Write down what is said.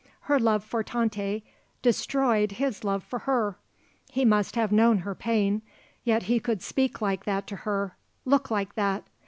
Her love for Tante destroyed his love for her. He must have known her pain; yet he could speak like that to her; look like that.